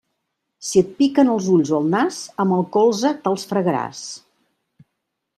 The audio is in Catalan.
Si et piquen els ulls o el nas, amb el colze te'ls fregaràs.